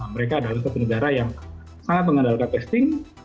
mereka adalah satu negara yang sangat mengandalkan testing